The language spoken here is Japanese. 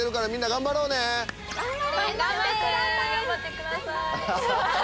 頑張ってください！